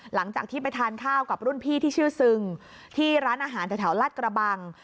หลังจากที่ไปทานข้าวกับรุ่นพี่ที่ชื่อซึงที่ร้านอาหารแถวลาดกระบัง